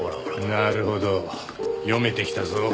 なるほど読めてきたぞ。